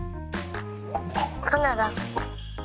カナダ。